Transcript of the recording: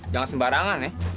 jangan sembarangan ya